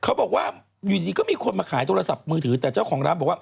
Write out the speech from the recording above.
เขาบอกว่าอยู่ดีก็มีคนมาขายโทรศัพท์มือถือแต่เจ้าของร้านบอกว่า